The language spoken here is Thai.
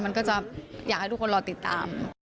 มันก็จะอยากให้ทุกคนรอติดตาม